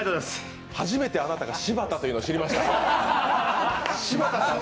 初めてあなたが柴田というのを知りました。